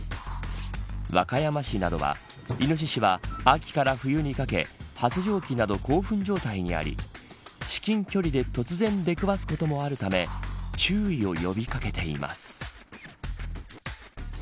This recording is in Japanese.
和歌山市などはイノシシは、秋から冬にかけ発情期など興奮状態にあり至近距離で突然出くわすこともあるため注意を呼び掛けています。